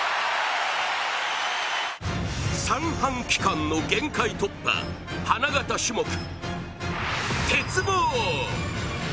三半規管の限界突破、花形種目鉄棒。